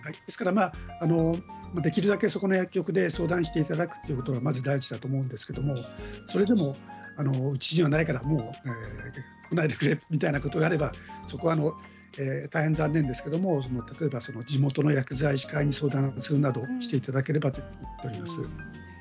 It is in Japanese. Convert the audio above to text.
できるだけそこの薬局で相談していただくのが第一だと思うんですが、それでもうちにはないから来ないでくれみたいなことであれば、そこは大変残念ですが地元の薬剤師会に相談するなどしていただければと思っております。